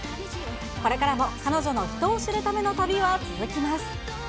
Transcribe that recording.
これからも彼女の人を知るための旅は続きます。